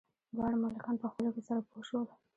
دواړه ملکان په خپلو کې سره پوه شول.